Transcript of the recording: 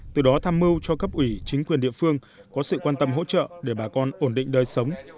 từ đó tham mưu cho cấp ủy chính quyền địa phương có sự quan tâm hỗ trợ để bà con ổn định đời sống